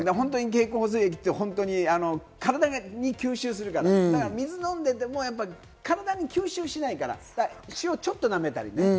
経口補水液って本当に体に吸収するから、水飲んでても体に吸収しないから、塩を舐めたりね。